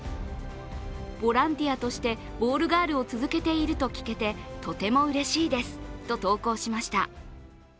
ボランティアとしてボールガールを続けていると聞けてとてもうれしいですと投稿しました。